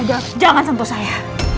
jangan sentuh saya